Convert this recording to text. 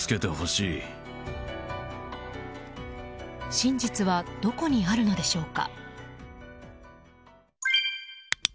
真実はどこにあるのでしょうか。